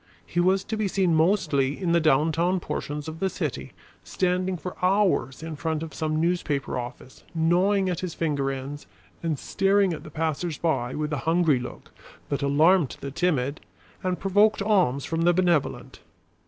He was to be seen mostly in the downtown portions of the city, standing for hours in front of some newspaper office, gnawing at his finger ends, and staring at the passers by with a hungry look that alarmed the timid and provoked alms from the benevolent.